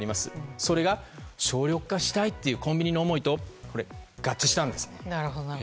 それが、省力化したいというコンビニの思いと合致したんです。